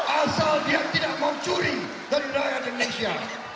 asal dia tidak mau curi dari rakyat indonesia